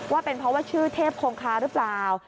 ว่าเป็นเพราะว่าชื่อเทพคงคาหรือเปล่า